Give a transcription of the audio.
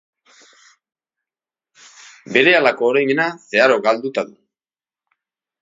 Berehalako oroimena zeharo galduta du.